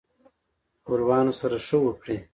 خپلوانو سره ښه وکړئ